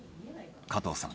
加藤さん